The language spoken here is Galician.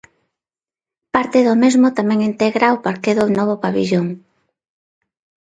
Parte do mesmo tamén integra o parqué do novo pavillón.